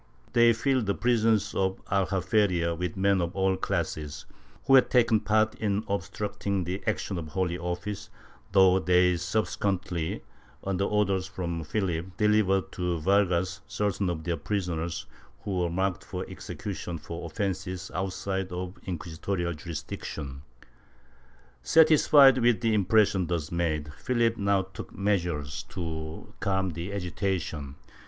They filled the prisons of the Aljaferia with men of all classes, who had taken part in obstructing the action of the Holy Office, though they sub sequently, under orders from Philip, delivered to Vargas certain of their prisoners who were marked for execution for offences outside of inquisitorial jurisdiction. Chap. X] ANTONIO PEREZ 267 Satisfied with the impression thus made, Philip now took measures to cahn the agitation.